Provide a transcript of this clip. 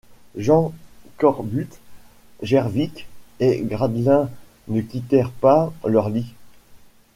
Jean Cornbutte, Gervique et Gradlin ne quittèrent pas leur lit.